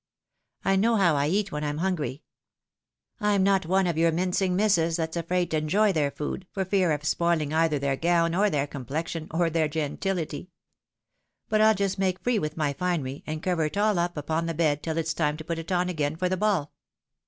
I know how I eat when I'm hungry. I'm not one of your mincing misses that's afraid to enjoy their food, for fear of spoiling either their gown, or their complexion, or their gentihty. But I'U just make free with my finery, and cover it all up upon the bed tiU it's time to put it on again for the ball.